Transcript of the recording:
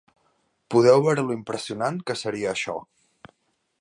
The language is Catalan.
Podeu veure lo impressionant que seria això.